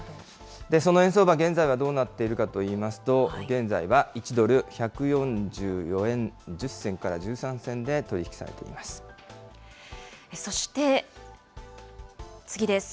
その円相場、現在はどうなっているかといいますと、現在は１ドル１４４円１０銭から１３銭でそして、次です。